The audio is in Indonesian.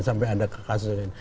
sampai ada kasus ini